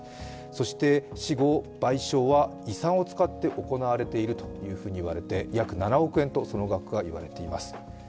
そして死後、賠償は遺産を使って行われているというふうに言われて約７億円と、その額は言われています。